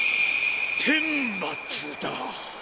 天罰だ！